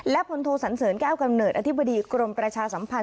และพลโทสันเสริญแก้วกำเนิดอธิบดีกรมประชาสัมพันธ